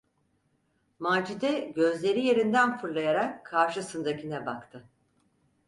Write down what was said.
Macide gözleri yerinden fırlayarak karşısındakine baktı.